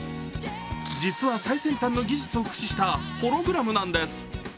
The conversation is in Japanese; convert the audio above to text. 実は、最先端の技術を駆使したホログラムなんです。